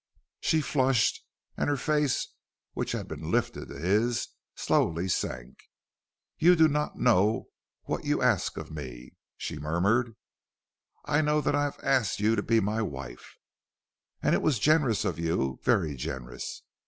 She flushed, and her face, which had been lifted to his, slowly sank. "You do not know what you ask of me," she murmured. "I know that I have asked you to be my wife." "And it was generous of you, very generous.